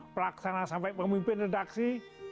pelaksana sampai pemimpin redaksi